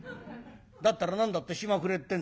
「だったら何だって暇くれってんだい」。